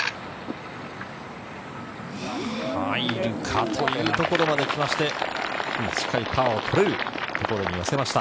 入るかというところまで来まして、短いパーをとれるところに寄せました。